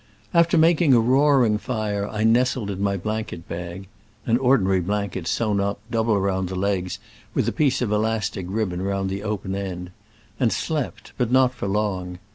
After making a roaring fire, I nestled in my blanket bag (an ordinary blanket sewn up, double round the legs, with a piece of elastic ribbon round the open end) and slept, but not for long.